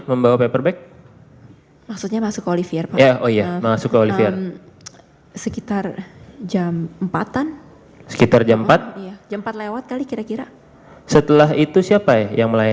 sebelumnya mungkin ini tasnya